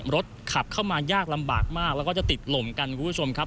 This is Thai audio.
รถขับเข้ามายากลำบากมากแล้วก็จะติดลมกันคุณผู้ชมครับ